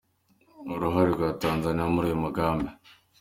Uruhare rwa Tanzania muri uyu mugambi